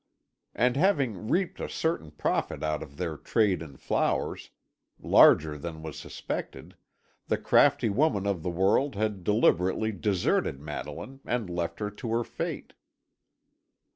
And having reaped a certain profit out of their trade in flowers, larger than was suspected, the crafty woman of the world had deliberately deserted Madeline and left her to her fate.